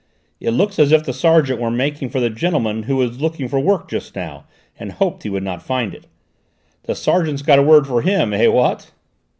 "It looks as if the sergeant were making for the gentleman who was looking for work just now and hoped he would not find it. The sergeant's got a word for him, eh, what?"